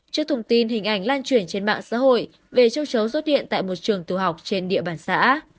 trước thông tin hình ảnh lan truyền trên mạng xã hội về châu chấu xuất hiện tại một trường tiểu học trên địa bàn xã